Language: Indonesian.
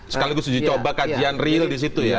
sekali lagi saya coba kajian real di situ ya